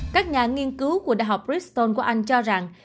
các nhà nghiên cứu của đại học briston của anh cho rằng